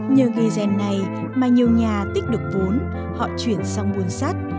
nhờ nghề rèn này mà nhiều nhà tích được vốn họ chuyển sang buôn sắt